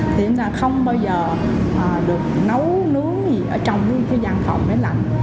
thì chúng ta không bao giờ được nấu nướng gì ở trong những cái giang phòng mấy lạnh